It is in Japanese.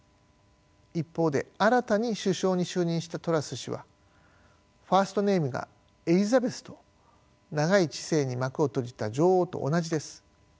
一方で新たに首相に就任したトラス氏はファースト・ネームがエリザベスと長い治世に幕を閉じた女王と同じです。